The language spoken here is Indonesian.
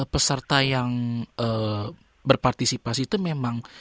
peserta yang berpartisipasi itu memang